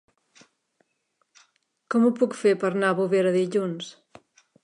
Com ho puc fer per anar a Bovera dilluns?